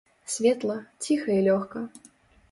Светла, ціха і лёгка.